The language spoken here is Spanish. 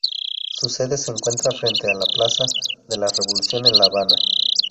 Su sede se encuentra frente a la plaza de la Revolución en La Habana.